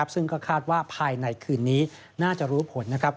ซึ่งก็คาดว่าภายในคืนนี้น่าจะรู้ผลนะครับ